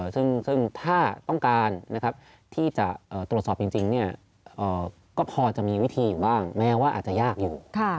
ซึ่งถ้าต้องการที่จะตรวจสอบจริงก็พอจะมีวิธีอยู่บ้างแม้ว่าอาจจะยากอยู่